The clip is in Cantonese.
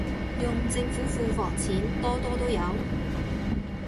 用政府庫房錢，多多都有